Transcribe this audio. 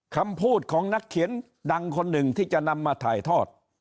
คำพูดของนักเขียนดังคนหนึ่งที่จะนำมาถ่ายทอด